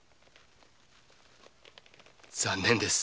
残念です。